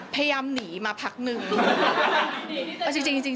พยายามหนีมาพักนึง